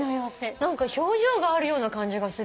何か表情があるような感じがする。